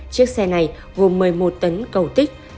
chiếc xe này gồm một mươi một tấn cầu tích